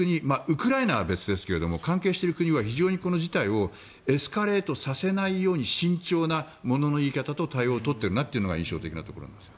ウクライナは別ですけど関係している国は非常にこの事態をエスカレートさせないように慎重な物の言い方と対応を取っているなというのが印象です。